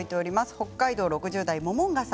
北海道６０代の方。